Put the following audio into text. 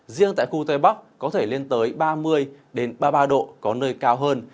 riêng tại khu tây bắc có thể lên tới ba mươi ba mươi ba độ có nơi cao hơn